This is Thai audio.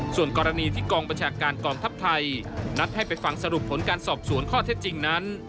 ส่วนกรณีที่กองบัญชาการกองทัพไทยนัดให้ไปฟังสรุปผลการสอบสวนข้อเท็จจริงนั้น